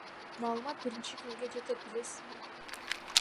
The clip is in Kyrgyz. Маалымат биринчи кимге жетет, билесизби?